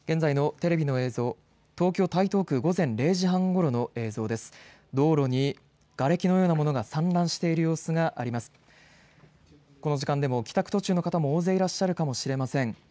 この時間でも帰宅途中の方も大勢いらっしゃるかもしれません。